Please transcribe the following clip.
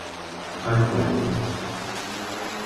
Al Cueto